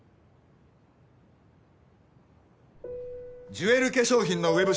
ジュエル化粧品のウェブ